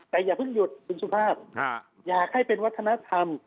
แต่อย่าเพิ่งหยุดคุณสุภาพอยากให้เป็นวัฒนธรรม